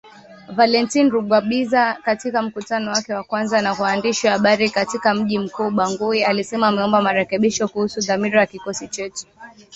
Valentine Rugwabiza, katika mkutano wake wa kwanza na waandishi wa habari katika mji mkuu Bangui, alisema ameomba marekebisho kuhusu dhamira ya kikosi chetu